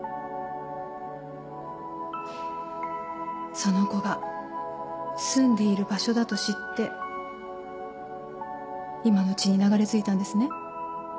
その子が住んでいる場所だと知って今の地に流れ着いたんですね。